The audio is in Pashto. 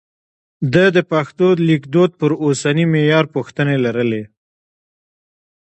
ده د پښتو لیکدود پر اوسني معیار پوښتنې لرلې.